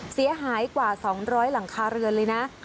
เสียหายกว่า๒๐๐หลังคาเรือนเลยนะ